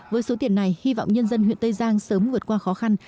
với số tiền này hy vọng nhân dân huyện tây giang sớm vượt qua khó khăn